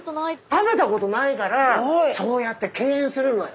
食べたことないからそうやって敬遠するのよ。